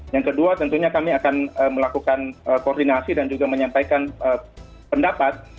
yang kedua tentunya kami akan melakukan koordinasi dan juga menyampaikan pendapat